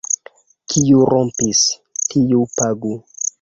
Kiu rompis, tiu pagu.